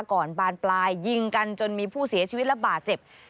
บานปลายยิงกันจนมีผู้เสียชีวิตและบาดเจ็บ